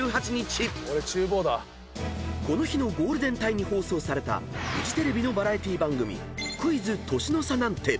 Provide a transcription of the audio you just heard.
［この日のゴールデン帯に放送されたフジテレビのバラエティー番組『クイズ！年の差なんて』